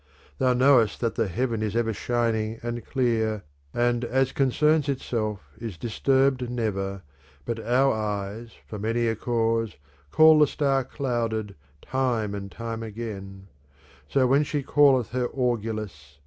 Thou knowest that the heaven is ever shining and clear, and as concerns itself is disturbed never ; but our eyes, for many a cause, call the star clouded, time and time again, IS '"! Li; '■'■. So when she calleth her orgulous.